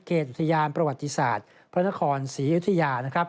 อุทยานประวัติศาสตร์พระนครศรีอยุธยานะครับ